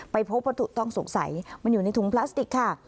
พบวัตถุต้องสงสัยมันอยู่ในถุงพลาสติกค่ะ